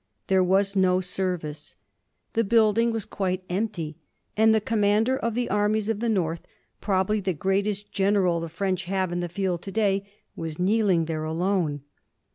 There was no service. The building was quite empty. And the Commander of the Armies of the North, probably the greatest general the French have in the field to day, was kneeling there alone.